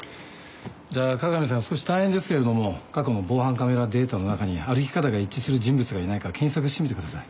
じゃあ加賀美さん少し大変ですけれども過去の防犯カメラデータの中に歩き方が一致する人物がいないか検索してみてください。